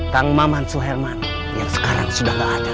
kang maman suhelman yang sekarang sudah tidak ada